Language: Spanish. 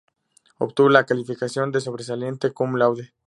Obtuvo la calificación de sobresaliente cum laude.